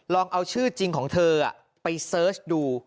ลองเอาชื่อจริงของเธอไปเสิร์ชดู